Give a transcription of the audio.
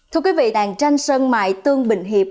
thưa quý vị đàn tranh sân mài tương bình hiệp